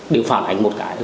đều phản ảnh một cái